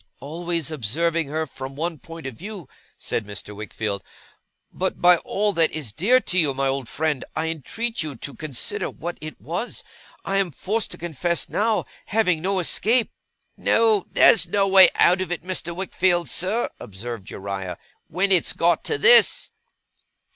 'Always observing her from one point of view,' said Mr. Wickfield; 'but by all that is dear to you, my old friend, I entreat you to consider what it was; I am forced to confess now, having no escape ' 'No! There's no way out of it, Mr. Wickfield, sir,' observed Uriah, 'when it's got to this.